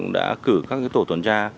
đã cử các tổ tuần tra